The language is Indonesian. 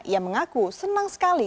ia mengaku senang sekali